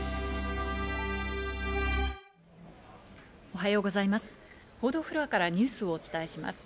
おはようございます。